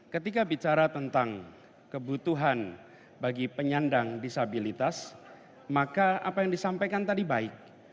ketika bicara tentang kebutuhan bagi penyandang disabilitas maka apa yang disampaikan tadi baik